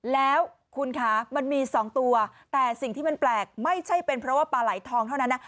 แล้วคุณคะมันมี๒ตัวแต่สิ่งที่มันแปลกไม่ใช่เป็นเพราะว่าปลาไหลทองเท่านั้นนะ